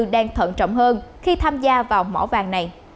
đang thận trọng hơn khi tham gia vào mỏ vàng này